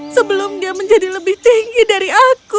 sebelum dia menjadi lebih tinggi dari aku